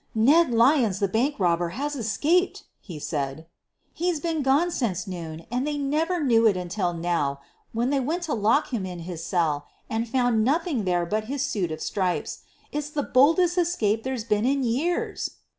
"Ned Lyons, the bank robber, has escaped!" he said. "He's been gone since noon and they never knew it until just now, when they went to lock him in his cell and found nothing there but his suit of stripes. It's the boldest escape there's been in years.